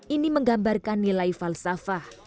ini menggambarkan nilai falsafah